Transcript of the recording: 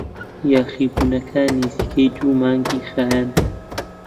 یاخیبوونەکە نزیکەی دوو مانگی خایاند.